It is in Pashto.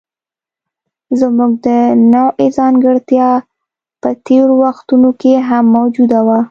زموږ د نوعې ځانګړتیا په تېرو وختونو کې هم موجوده وه.